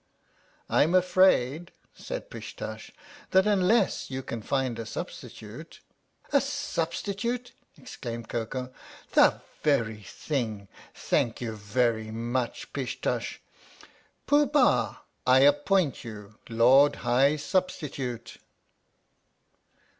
" I'm afraid," said Pish Tush, "that unless you can find a substitute ' "A substitute!" exclaimed Koko. "The very thing ! Thank you very much, Pish Tush. Pooh Bah, I appoint you Lord High Substitute."